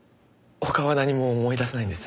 他は何も思い出せないんです。